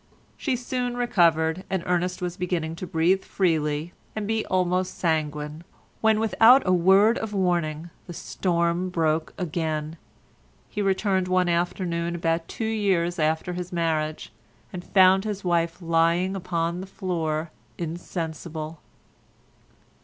She soon recovered, and Ernest was beginning to breathe freely and be almost sanguine when, without a word of warning, the storm broke again. He returned one afternoon about two years after his marriage, and found his wife lying upon the floor insensible.